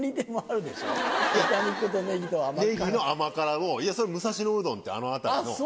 ネギの甘辛を「武蔵野うどん」ってあの辺りの。